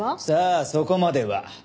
さあそこまでは。